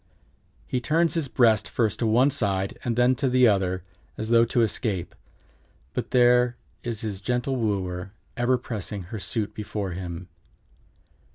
He turns his breast first to one side, then to the other, as though to escape, but there is his gentle wooer ever pressing her suit before him.